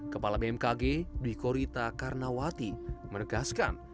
kepala bmkg dwi korita karnawati menegaskan